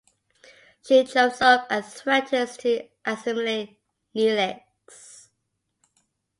She jumps up and threatens to assimilate Neelix.